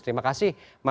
terima kasih mas